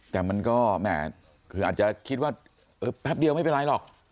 แต่มันก็คือแหม่คืออาจจะคิดว่าเออแป๊บเดียวไม่เป็นไรหรอก